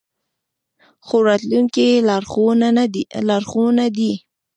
خو راتلونکی یې لا روښانه دی.